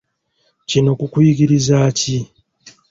Kino kukuyigirizaaki?